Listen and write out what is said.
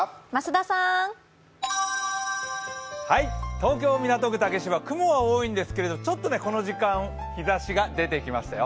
東京・港区竹芝、雲は多いんですけど、ちょっとこの時間、日ざしが出てきましたよ。